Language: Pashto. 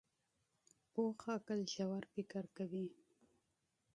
پوخ عقل ژور فکر کوي